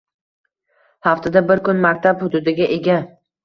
Haftada bir kun maktab hududiga ega.